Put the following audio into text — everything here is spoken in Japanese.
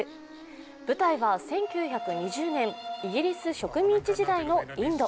舞台は１９０年、イギリス植民地時代のインド。